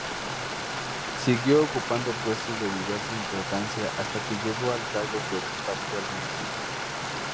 Siguió ocupando puestos de diversa importancia hasta que llegó al cargo que ocupa actualmente.